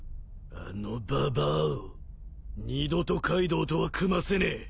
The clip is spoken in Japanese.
あのババアを二度とカイドウとは組ませねえ。